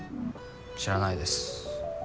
知らないです